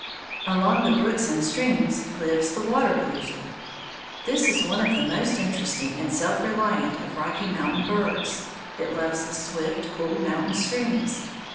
Along the brooks and streams lives the water ouzel. This is one of the most interesting and self reliant of Rocky Mountain birds. It loves the swift, cool mountain streams.